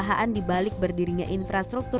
halo yang sedap dapet